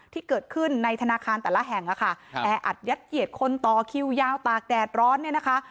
ที่เกิดขึ้นในธนาคารแต่ละแห่งแออัดยัดเหยียดคนต่อคิวยาวตากแดดร้อนเนี่ยนะคะ